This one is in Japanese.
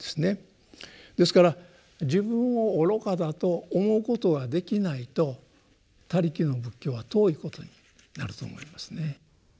ですから自分を愚かだと思うことができないと「他力」の仏教は遠いことになると思いますね。